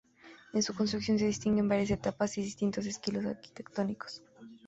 En su construcción se distinguen varias etapas y distintos estilos arquitectónicos.